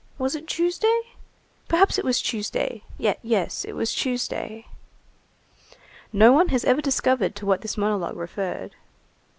Was it Tuesday? Perhaps it was Tuesday. Yes, it was Tuesday." No one has ever discovered to what this monologue referred.